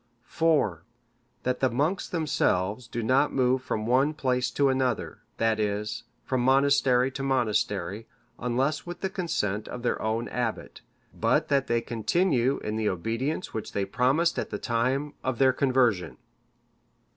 "IV. That the monks themselves do not move from one place to another, that is, from monastery to monastery, unless with the consent of their own abbot; but that they continue in the obedience which they promised at the time of their conversion.